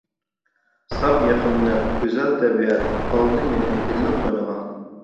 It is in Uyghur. ساپ، يېقىملىق، گۈزەل تەبىئەت ئالدى مېنى ئىللىق قوينىغا.